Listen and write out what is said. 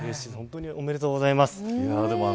おめでとうございます。